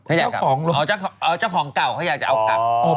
ไม่อยากขับอ๋อเจ้าของเก่าเขาอยากจะเอากลับ